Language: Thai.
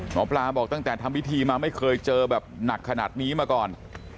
หมอปลาบอกตั้งแต่ทำพิธีมาไม่เคยเจอแบบหนักขนาดนี้มาก่อน